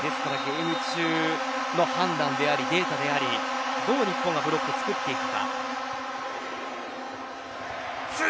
試合中の判断でありデータであり、日本がどうブロックをつくっていくか。